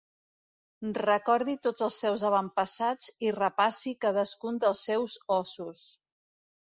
Recordi tots els seus avantpassats i repassi cadascun dels seus ossos.